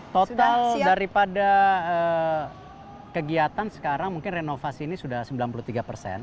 total daripada kegiatan sekarang mungkin renovasi ini sudah sembilan puluh tiga persen